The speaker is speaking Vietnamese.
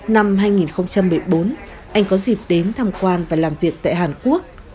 năm hai nghìn một mươi bốn anh có dịp đến tham quan và làm việc tại hàn quốc